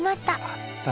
あったよ。